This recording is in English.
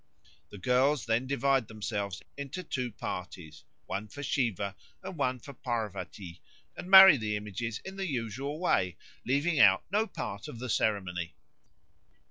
The girls then divide themselves into two parties, one for Siva and one for Pârvatî, and marry the images in the usual way, leaving out no part of the ceremony.